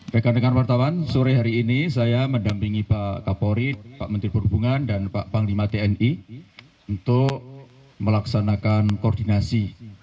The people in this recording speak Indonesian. rekan rekan wartawan sore hari ini saya mendampingi pak kapolri pak menteri perhubungan dan pak panglima tni untuk melaksanakan koordinasi